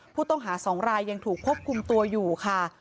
ผู้ต้องหา๒รายยังถูกควบคุมตัวอยู่ค่ะ